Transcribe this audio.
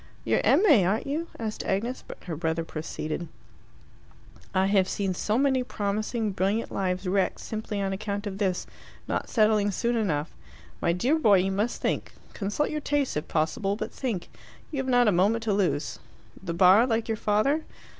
"You're M.A., aren't you?" asked Agnes; but her brother proceeded "I have seen so many promising, brilliant lives wrecked simply on account of this not settling soon enough. My dear boy, you must think. Consult your tastes if possible but think. You have not a moment to lose. The Bar, like your father?"